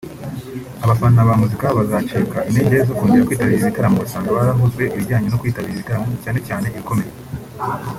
abafana ba muzika bazacika intege zo kongera kwitabira ibitaramo ugasanga barahuzwe ibijyanye no kwitabira ibitaramo cyane cyane ibikomeye